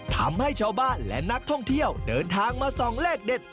ทำให้ชาวบ้านและนักท่องเที่ยวเดินทางมาส่องเลขเด็ด